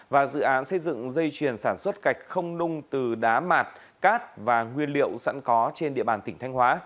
và dự án xây dựng dây chuyền sản xuất gạch không nung từ đá mạt cát và nguyên liệu sẵn có trên địa bàn tỉnh thanh hóa